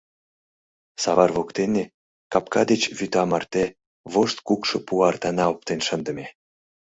Савар воктене, капка деч вӱта марте, вошт кукшо пу артана оптен шындыме.